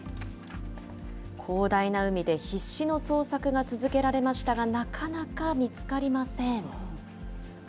広大な海で必死の捜索が続けられましたが、なかなか見つかりません。